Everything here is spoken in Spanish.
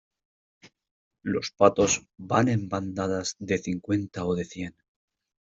los patos van en bandadas de cincuenta o de cien